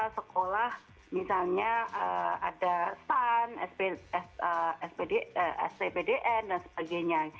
sekolah misalnya ada stan stbdn dan sebagainya